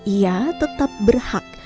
ia tetap berhak